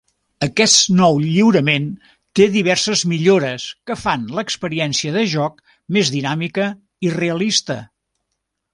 Aquest nou lliurament té diverses millores que fan l'experiència de joc més dinàmica i realista.